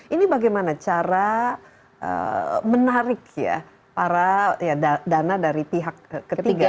ini bagaimana cara menarik ya para dana dari pihak ketiga